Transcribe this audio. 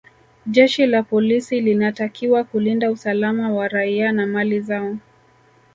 jeshi la polisi linatakiwa kulinda usalama wa raia na mali zao